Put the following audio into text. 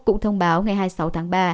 cũng thông báo ngày hai mươi sáu tháng ba